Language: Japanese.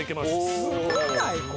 すごない？